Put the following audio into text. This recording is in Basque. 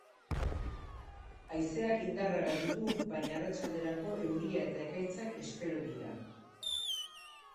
Haizeak indarra galdu du baina arratsalderako euria eta ekaitzak espero dira.